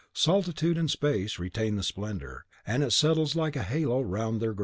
Solitude and space retain the splendour, and it settles like a halo round their graves.